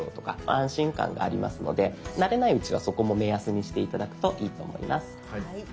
安心感がありますので慣れないうちはそこも目安にして頂くといいと思います。